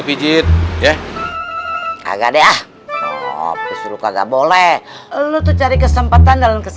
paku paku dicabutin dong